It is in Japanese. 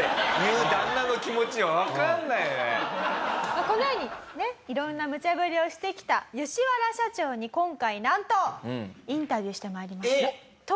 まあこのようにね色んなムチャブリをしてきたヨシワラ社長に今回なんとインタビューして参りました。